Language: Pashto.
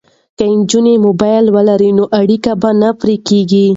که نجونې موبایل ولري نو اړیکه به نه پرې کیږي.